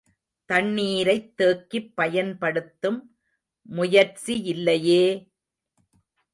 தண்ணீரைத் தேக்கிப் பயன்படுத்தும் முயற்சியில்லையே!